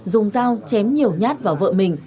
dùng rau chém nhiều nhát vào vợ mình